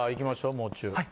もう中。